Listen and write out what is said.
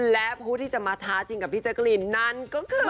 และผู้ที่จะมาท้าชิงกับพี่แจ๊กรีนนั่นก็คือ